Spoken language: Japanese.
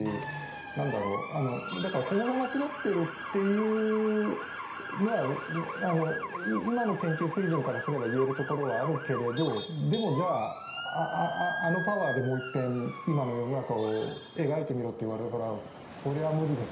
何だろうだからここが間違ってるっていうのは今の研究水準からすれば言えるところはあるけれどでもじゃああのパワーでもういっぺん今の世の中を描いてみろって言われたらそりゃ無理です